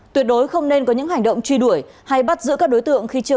tuyệt đối không nên có những hành động truy đuổi hay bắt giữ các đối tượng khi chưa